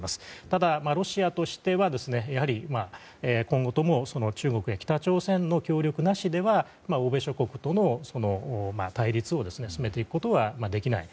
ただ、ロシアとしてはやはり今後とも中国や北朝鮮の協力なしでは欧米諸国との対立を進めていくことはできない。